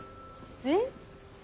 えっ？